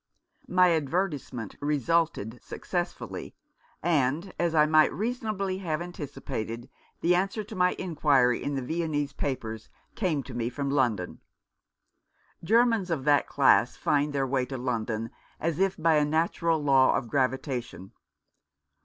My advertisement resulted successfully, and, as I might reasonably have anticipated, the answer to my inquiry in the Viennese papers came to me from London. Germans of that class find their way to London as if by a natural law of gravita tion.